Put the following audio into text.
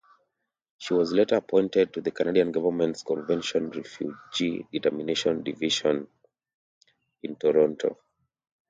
She was later appointed to the Canadian government's Convention Refugee Determination Division in Toronto.